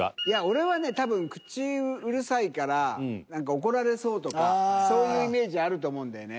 俺はね多分口うるさいから何か怒られそうとかそういうイメージあると思うんだよね。